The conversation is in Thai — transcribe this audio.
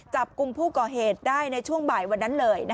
จับกลุ่มผู้ก่อเหตุได้ในช่วงบ่ายวันนั้นเลย